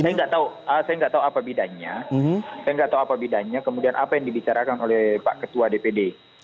saya nggak tahu saya nggak tahu apa bidangnya saya nggak tahu apa bidangnya kemudian apa yang dibicarakan oleh pak ketua dpd